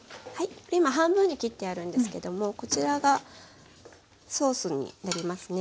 今半分に切ってあるんですけどもこちらがソースになりますね。